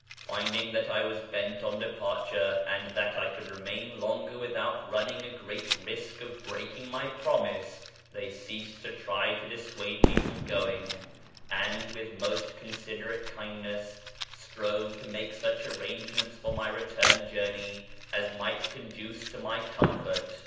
Finding that I was bent on departure, and that I could remain longer without running a great risk of breaking my promise, they ceased to try to dissuade me from going, and, with most considerate kindness, strove to make such arrangements for my return journey as might most conduce to my comfort.